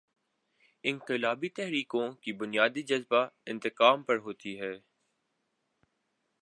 انقلابی تحریکوں کی بنیاد جذبۂ انتقام پر ہوتی ہے۔